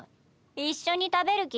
一緒に食べる気？